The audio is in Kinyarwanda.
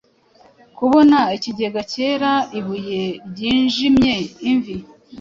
Kubona ikigega cyera ibuye ryijimye-imvi